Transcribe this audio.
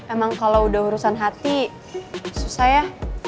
emang kalau udah urusan hati susah ya